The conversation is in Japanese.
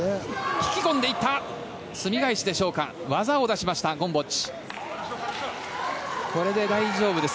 引き込んでいったすみ返しでしょうか技を出しましたゴムボッチです。